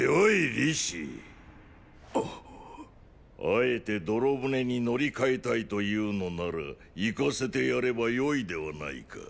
あえて泥舟に乗り換えたいと言うのなら行かせてやればよいではないか。